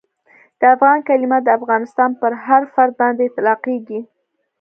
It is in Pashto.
د افغان کلیمه د افغانستان پر هر فرد باندي اطلاقیږي.